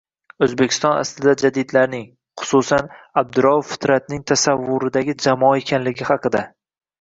O'zbekiston aslida jadidlarning, hususan Abdurauf Fitratning "tasavvuridagi jamoa" ekanligi haqida.